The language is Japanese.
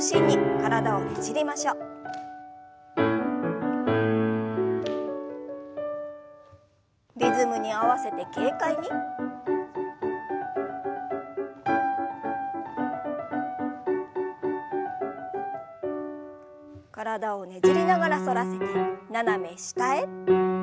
体をねじりながら反らせて斜め下へ。